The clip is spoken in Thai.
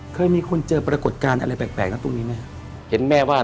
เคยมีคนเจอปรากฏการณ์อะไรแปลกนะตรงนี้มั้ยครับ